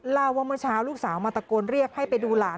เล่าว่าเมื่อเช้าลูกสาวมาตะโกนเรียกให้ไปดูหลาน